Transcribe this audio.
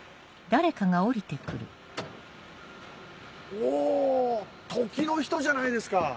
お時の人じゃないですか。